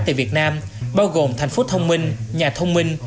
tại việt nam bao gồm thành phố thông minh nhà thông minh